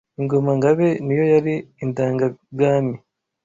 Ingoma-Ngabe niyo yari indangabwami